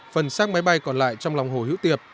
phần sát máy bay còn lại trong lòng hồ hiếu tiệp